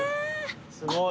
すごい。